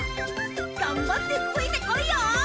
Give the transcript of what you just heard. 頑張ってついてこいよ。